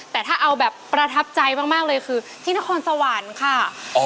แต่ถ้าเอาแบบประทับใจมากเลยคือที่นครสวรรค์ค่ะ